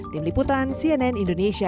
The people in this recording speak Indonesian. tim liputan cnn indonesia